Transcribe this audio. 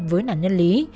với nạn nhân lý